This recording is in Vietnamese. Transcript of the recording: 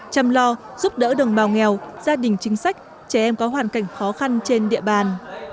chăm lo giúp đỡ đồng bào nghèo gia đình chính sách trẻ em có hoàn cảnh khó khăn trên địa bàn